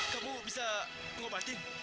kamu bisa mengobatin